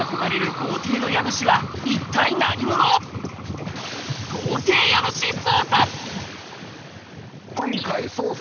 豪邸家主捜査。